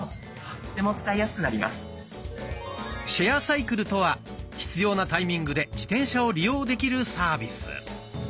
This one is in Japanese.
シェアサイクルとは必要なタイミングで自転車を利用できるサービス。